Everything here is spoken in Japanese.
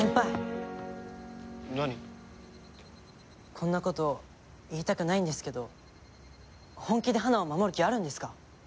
こんな事言いたくないんですけど本気で花を守る気あるんですか？